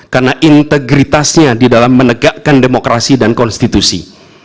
karena integritasnya di dalam menegakkan demokrasi dan konstitusi